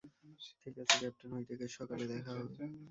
ঠিক আছে captain Whitaker, সকালে দেখা হবে।